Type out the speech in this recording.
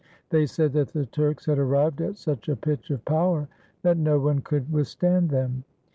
They said that the Turks had arrived at such a pitch of power that no one could with stand them.